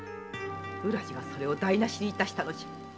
浦路がそれを台なしにしたのじゃ。